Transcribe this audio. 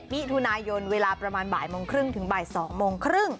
มิถุนายนเวลาประมาณบ่ายโมงครึ่งถึงบ่าย๒โมงครึ่ง